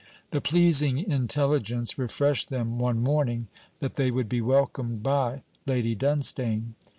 The pleasing intelligence refreshed them one morning, that they would be welcomed by Lady Dunstane.